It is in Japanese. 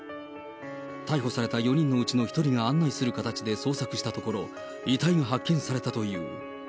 逮捕された４人のうちの１人が案内する形で捜索したところ、遺体が発見されたという。